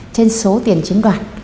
trên số tiền chiếm đoạt